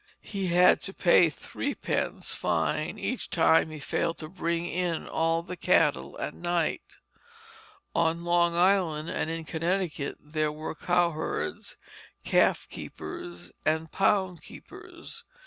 He had to pay threepence fine each time he failed to bring in all the cattle at night. On Long Island and in Connecticut there were cowherds, calf keepers, and pound keepers.